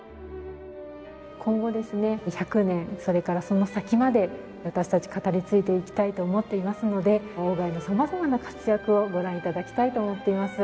今後ですね１００年それからその先まで私たち語り継いでいきたいと思っていますので外の様々な活躍をご覧頂きたいと思っています。